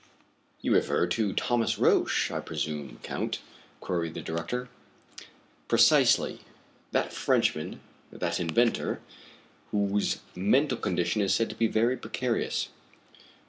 "You refer to Thomas Roch, I presume, Count?" queried the director. "Precisely that Frenchman that inventor whose mental condition is said to be very precarious."